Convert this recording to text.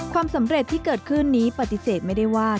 ความสำเร็จที่เกิดขึ้นนี้ปฏิเสธไม่ได้ว่า